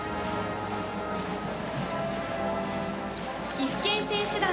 岐阜県選手団。